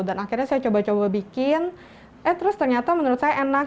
dan akhirnya saya coba coba bikin eh terus ternyata menurut saya enak